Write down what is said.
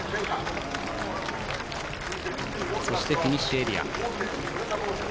そして、フィニッシュエリアです。